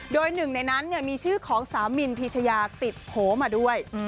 โดยหนึ่งในนั้นมีชื่อของสาวมินพีชยาติดโผล่มาด้วย